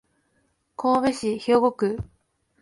神戸市兵庫区